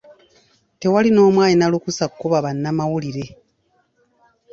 Tewali n'omu alina lukusa kukuba bannamawulire.